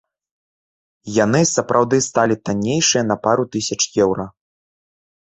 Яны сапраўды сталі таннейшыя на пару тысяч еўра.